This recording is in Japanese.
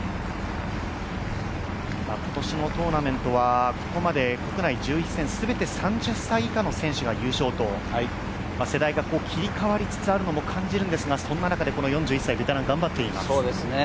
今年のトーナメントはここまで国内１１戦、全て３０歳以下の選手が優勝と、世代が切り替わりつつあるということを感じるんですが、そんな中、この４１歳のベテランが頑張っています。